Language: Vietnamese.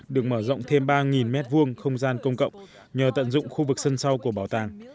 được mở rộng thêm ba m hai không gian công cộng nhờ tận dụng khu vực sân sau của bảo tàng